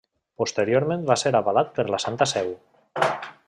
Posteriorment va ser avalat per la Santa Seu.